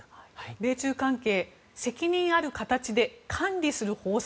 米中関係、責任ある形で管理する方策。